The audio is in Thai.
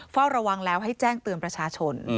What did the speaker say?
เฝ้าระวังแล้วให้แจ้งเตือนประชาชน